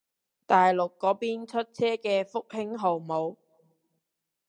大陸嗰邊出車嘅復興號冇